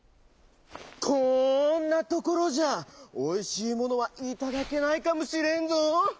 こんなところじゃおいしいものはいただけないかもしれんぞ。